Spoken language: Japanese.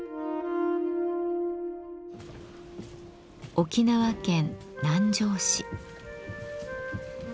沖縄県南城市。